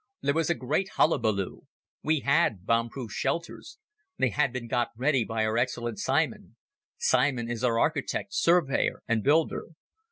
There was a great hullabaloo. We had bomb proof shelters. They had been got ready by our excellent Simon. Simon is our architect, surveyor and builder.